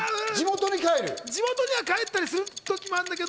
地元には帰ったりする時もあるんだけど。